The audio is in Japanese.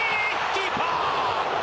キーパー。